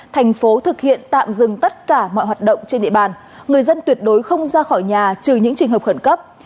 thành phố thực hiện tạm dừng tất cả mọi hoạt động trên địa bàn người dân tuyệt đối không ra khỏi nhà trừ những trường hợp khẩn cấp